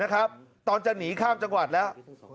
ตอนจะหนีข้ามจังหวัดแล้ว